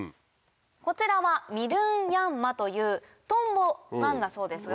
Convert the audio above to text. こちらはミルンヤンマというトンボなんだそうですが。